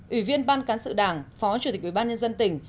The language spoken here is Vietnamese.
ủy viên ban cán sự đảng phó chủ tịch ủy ban nhân dân tỉnh